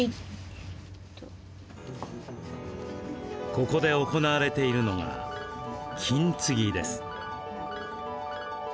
ここで行われているのが金継ぎです。